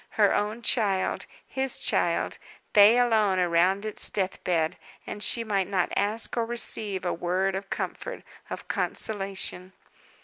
Her own child his child they alone around its death bed, and she might not ask or receive a word of comfort, of consolation!